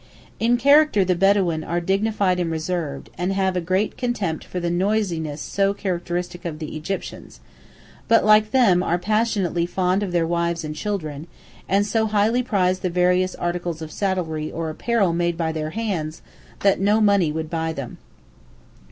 In character the Bedawīn are dignified and reserved, and have a great contempt for the noisiness so characteristic of the Egyptians, but, like them, are passionately fond of their wives and children, and so highly prize the various articles of saddlery or apparel made by their hands that no money would buy them.